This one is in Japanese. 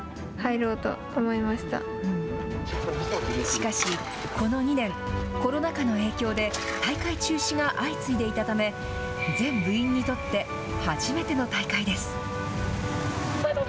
しかし、この２年、コロナ禍の影響で、大会中止が相次いでいたため、全部員にとって初めての大会です。